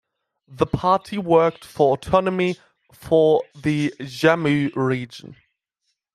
The party worked for autonomy for the Jammu region.